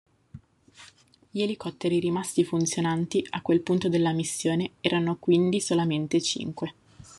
Gli elicotteri rimasti funzionanti a quel punto della missione erano quindi solamente cinque.